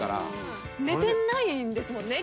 寝てないんですもんね？